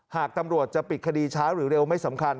หากตำรวจจะปิดคดีช้าหรือเร็วไม่สำคัญ